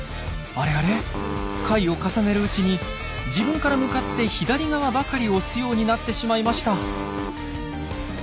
あれあれ回を重ねるうちに自分から向かって左側ばかり押すようになってしまいました。